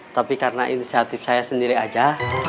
tapi karena inisiatif saya sendiri aja